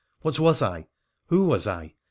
What was I ? Who was I ?